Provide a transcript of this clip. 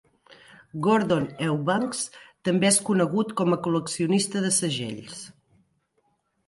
Gordon Eubanks també és conegut com a col·leccionista de segells.